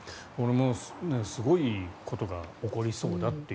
すごいことが起こりそうだという。